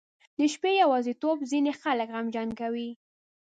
• د شپې یوازیتوب ځینې خلک غمجن کوي.